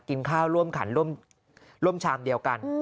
กินข้าวร่วมขันร่วมชามเดียวกัน